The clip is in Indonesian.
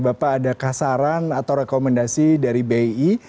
bapak ada kasaran atau rekomendasi dari bi